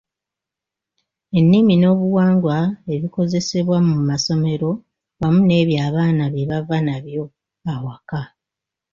Ennimi n’obuwangwa ebikozesebwa mu masomero wamu n’ebyo abaana bye bava nabyo awaka.